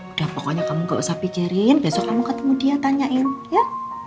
udah pokoknya kamu gak usah pikirin besok kamu ketemu dia tanyain ya